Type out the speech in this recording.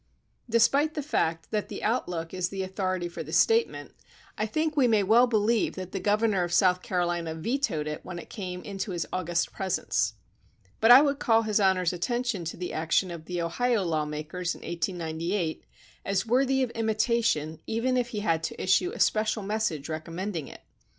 Despite the fact that the '' Outlook" is the* authority for the statement, I think we may well believe that the governor of South Caro lina vetoed it when it came into his august presence. But I would call his Honor's at tention to the action of the Ohio law makers in 1898 as worthy of imitation even if he had to issue a special message recommending it.